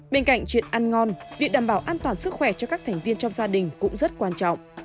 bên cạnh chuyện ăn ngon việc đảm bảo an toàn sức khỏe cho các thành viên trong gia đình cũng rất quan trọng